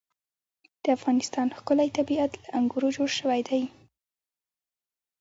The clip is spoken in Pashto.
د افغانستان ښکلی طبیعت له انګورو جوړ شوی دی.